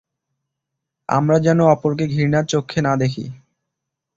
আমরা যেন অপরকে ঘৃণার চক্ষে না দেখি।